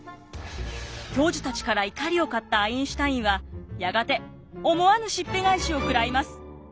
教授たちから怒りを買ったアインシュタインはやがて思わぬしっぺ返しを食らいます。